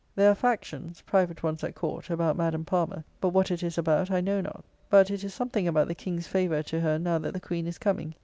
There are factions (private ones at Court) about Madam Palmer; but what it is about I know not. But it is something about the King's favour to her now that the Queen is coming.